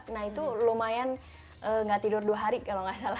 nah itu lumayan nggak tidur dua hari kalau nggak salah